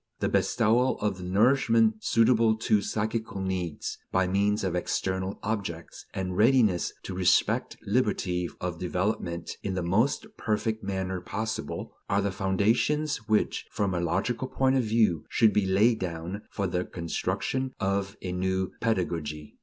The bestowal of the nourishment suitable to psychical needs, by means of the external objects, and readiness to respect liberty of development in the most perfect manner possible, are the foundations which, from a logical point of view, should be laid down for the construction of a new pedagogy.